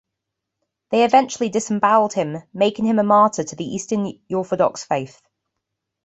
They eventually disemboweled him, making him a martyr to the Eastern Orthodox faith.